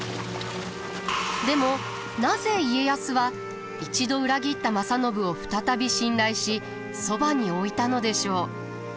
でもなぜ家康は一度裏切った正信を再び信頼しそばに置いたのでしょう？